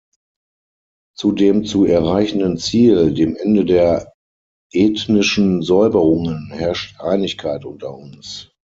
Zu dem zu erreichenden Ziel, dem Ende der ethnischen Säuberungen, herrscht Einigkeit unter uns.